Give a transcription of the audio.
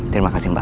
terima kasih mbak